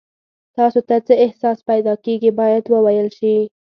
تاسو ته څه احساس پیدا کیږي باید وویل شي.